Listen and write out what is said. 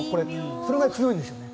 それが強いんですよね。